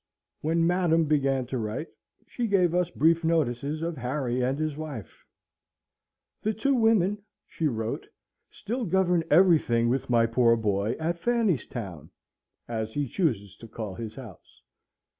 When Madam began to write, she gave us brief notices of Harry and his wife. "The two women," she wrote, "still govern everything with my poor boy at Fannystown (as he chooses to call his house).